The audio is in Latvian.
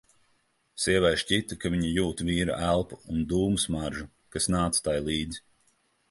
Sievai šķita, ka viņa jūt vīra elpu un dūmu smaržu, kas nāca tai līdz.